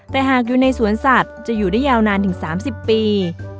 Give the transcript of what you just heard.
แต่หากอยู่ในสวนสัตว์จะอยู่ได้ยาวนานถึง๓๐ปี